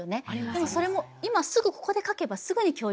でもそれも今すぐここで書けばすぐに共有できる。